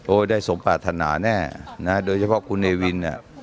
โอ้ยได้สมปรารถนาแน่โดยเฉพาะคุณเอวิน